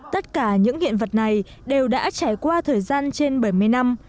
tất cả những hiện vật này đều đã trải qua thời gian trên bảy mươi năm